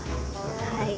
はい。